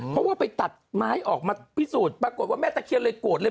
เพราะว่าไปตัดไม้ออกมาพิสูจน์ปรากฏว่าแม่ตะเคียนเลยโกรธเลย